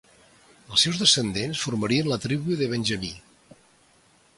Els seus descendents formarien la Tribu de Benjamí.